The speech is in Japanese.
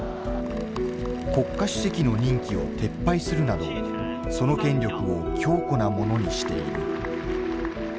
国家主席の任期を撤廃するなどその権力を強固なものにしている。